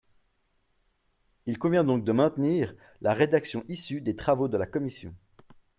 Il convient donc de maintenir la rédaction issue des travaux de la commission.